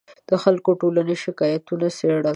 د خلکو د ټولیزو شکایتونو څېړل